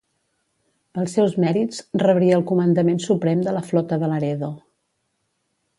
Pels seus mèrits rebria el comandament suprem de la Flota de Laredo.